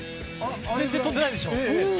全然飛んでないでしょ？